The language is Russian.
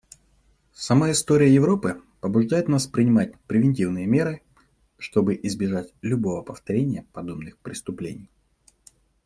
Сама история Европы побуждает нас принимать превентивные меры, чтобы избежать любого повторения подобных преступлений.